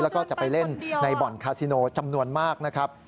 แล้วก็จะไปเล่นในบ่อนคาซิโนจำนวนมากนะครับ